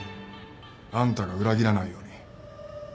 あんたが裏切らないように。